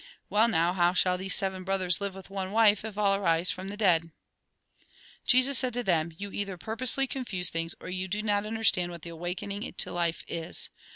Well now, how shall these seven brothers live with one wife if all arise from the dead ?" Jesus said to them :" You either purposely confuse things, or you do not understand what the awakening to life is.